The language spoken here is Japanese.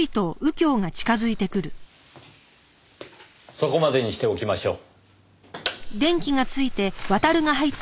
そこまでにしておきましょう。